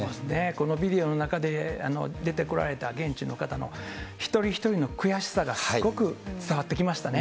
このビデオの中で出てこられた現地の方の一人一人の悔しさがすごく伝わってきましたね。